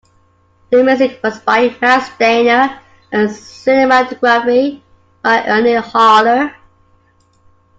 The music was by Max Steiner and the cinematography by Ernie Haller.